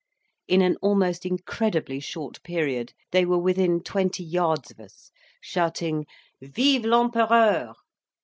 In an almost incredibly short period they were within twenty yards of us, shouting "Vive l'Empereur!"